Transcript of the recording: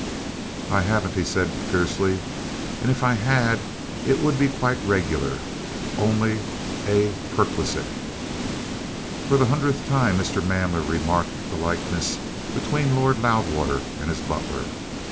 "I haven't," he said fiercely. "And if I had it would be quite regular only a perquisite." For the hundredth time Mr. Manley remarked the likeness between Lord Loudwater and his butler.